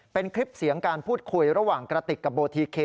เป็นคลิปเสียงการพูดคุยระหว่างกระติกกับโบทีเค